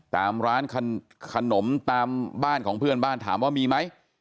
ตามร้านขนมตามบ้านของเพื่อนบ้านถามว่ามีไหม